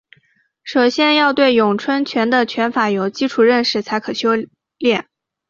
首先要对咏春的拳法有基础认识才可修练。